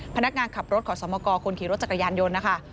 พนักงานขับรถขอสมกรคนขี่รถจักรยานยนต์นะคะ